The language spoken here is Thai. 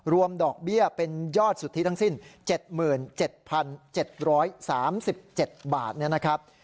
รวมดอกเบี้ยเป็นยอดสุทธิทั้งสิ้น๗๗๗๓๗บาท